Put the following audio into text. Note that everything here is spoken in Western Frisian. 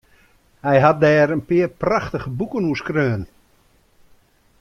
Hy hat dêr in pear prachtige boeken oer skreaun.